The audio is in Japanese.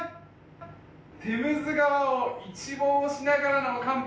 テムズ川を一望しながらの乾杯。